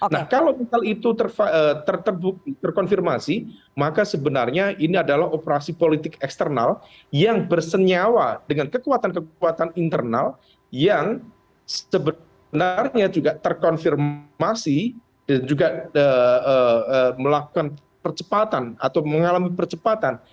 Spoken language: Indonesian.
nah kalau misalnya itu terkonfirmasi maka sebenarnya ini adalah operasi politik eksternal yang bersenyawa dengan kekuatan kekuatan internal yang sebenarnya juga terkonfirmasi dan juga melakukan percepatan atau mengalami percepatan